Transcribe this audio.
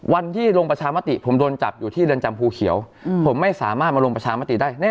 วันที่ลงประชามติผมโดนจับอยู่ที่เรือนจำภูเขียวผมไม่สามารถมาลงประชามติได้แน่